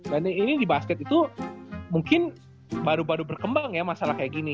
banding ini di basket itu mungkin baru baru berkembang ya masalah kayak gini